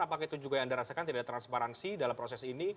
apakah itu juga yang anda rasakan tidak transparansi dalam proses ini